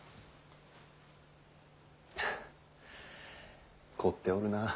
フッ凝っておるなあ。